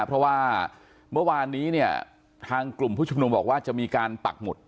เพราะว่าเมื่อวานนี้เนี่ยทางกลุ่มผู้ชุมนุมบอกว่าจะมีการปักหมุด